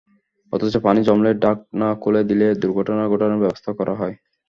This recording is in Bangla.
অথচ পানি জমলেই ঢাকনা খুলে দিয়ে দুর্ঘটনা ঘটানোর ব্যবস্থা করা হয়।